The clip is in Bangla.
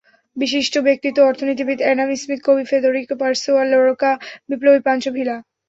বিশিষ্ট ব্যক্তিত্ব—অর্থনীতিবিদ অ্যাডাম স্মিথ, কবি ফেদোরিকো, গার্সিয়া লোরকা, বিপ্লবী পানচো ভিলা।